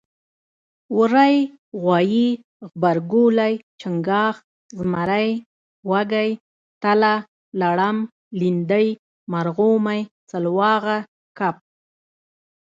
وری غوایي غبرګولی چنګاښ زمری وږی تله لړم لیندۍ مرغومی سلواغه کب